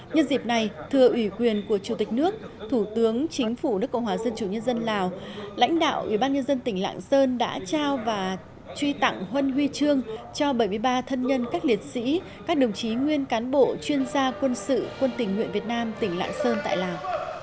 nhân dịp này thưa ủy quyền của chủ tịch nước thủ tướng chính phủ nước cộng hòa dân chủ nhân dân lào lãnh đạo ủy ban nhân dân tỉnh lạng sơn đã trao và truy tặng huân huy trương cho bảy mươi ba thân nhân các liệt sĩ các đồng chí nguyên cán bộ chuyên gia quân sự quân tỉnh nguyện việt nam tỉnh lạng sơn tại lào